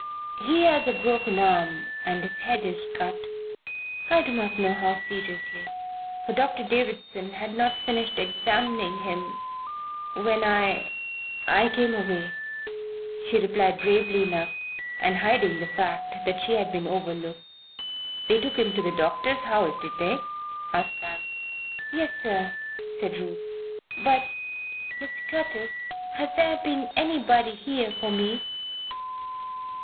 "He has a broken arm and his head is cut. I do not know how seriously, for Doctor Davison had not finished examining him when I I came away," she replied, bravely enough, and hiding the fact that she had been overlooked. "They took him to the doctor's house, did they?" asked Sam. "Yes, sir," said Ruth. "But " "Mr. Curtis, has there been anybody here for me?"